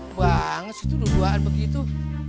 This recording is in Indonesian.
bang itu duaan begitu